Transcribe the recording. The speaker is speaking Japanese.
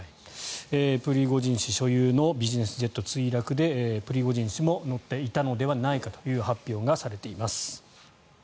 プリゴジン氏所有のビジネスジェットが墜落でプリゴジン氏も乗っていたのではないかという発表がされています。